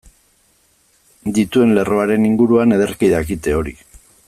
Dituen lerroaren inguruan ederki dakite hori.